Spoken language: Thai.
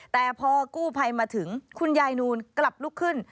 แต่พอกู้ภัยมาถึงคุณยายนูนกลับลุกขึ้น